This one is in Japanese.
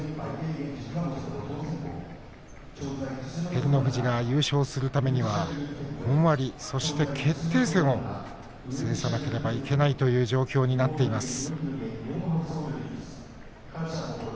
照ノ富士が優勝するためには本割そして決定戦を制さなければいけないという状況になっています。